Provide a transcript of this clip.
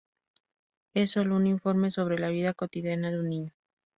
Es sólo un informe sobre la vida cotidiana de un niño".